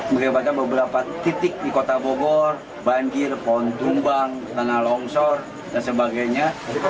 bagaimana beberapa titik di kota bogor banjir pohon tumbang tanah longsor dan sebagainya